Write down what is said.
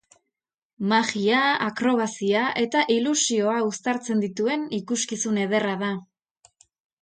Magia, akrobazia eta ilusioa uztartzen dituen ikuskizun ederra da.